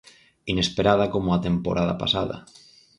Inesperada como a temporada pasada.